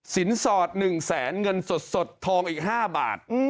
สอด๑แสนเงินสดทองอีก๕บาท